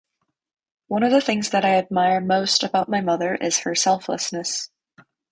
One of the things that I admire most about my mother is her selflessness.